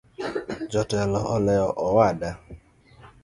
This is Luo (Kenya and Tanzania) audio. Jotelo olewo owada.